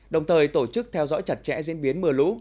đồng thời tổ chức theo dõi chặt chẽ diễn biến mưa lũ